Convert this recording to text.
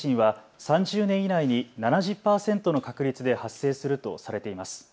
首都直下地震は３０年以内に７０％の確率で発生するとされています。